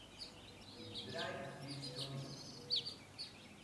In drei bis vier Stunden.